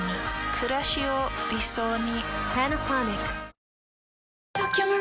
くらしを理想に。